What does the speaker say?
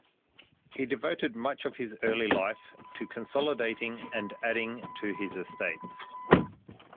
He devoted much of his early life to consolidating and adding to his estates.